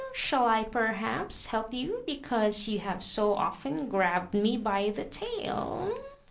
"Shall I perhaps help you because you have so often grabbed me by the tail?"